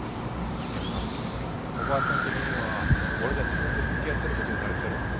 いやおばあさん的には俺たちずっと付き合っとることになるっちゃろ？